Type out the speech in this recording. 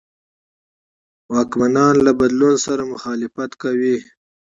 واکمنان له بدلون سره مخالفت کاوه.